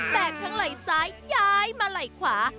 ทั้งไหล่ซ้ายย้ายมาไหล่ขวา